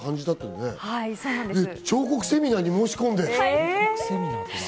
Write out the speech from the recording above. で、彫刻セミナーに申し込んだ。